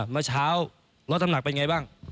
เมื่อเช้าลดน้ำหนักเป็นไงบ้าง